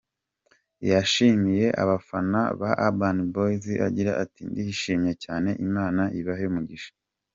Yashimiye abafana ba Urban Boyz agira ati “Ndishimye cyane, Imana ibahe umugisha.